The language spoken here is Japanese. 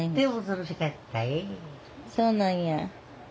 そうなんや。